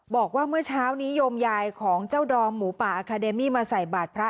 บอกว่าเมื่อเช้านี้โยมยายของเจ้าดอมหมูป่าอาคาเดมี่มาใส่บาทพระ